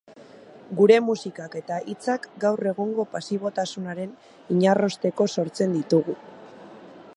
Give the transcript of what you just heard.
Gure musikak eta hitzak gaur egungo pasibotasunaren inarrosteko sortzen ditugu.